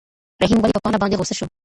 رحیم ولې په پاڼه باندې غوسه شو؟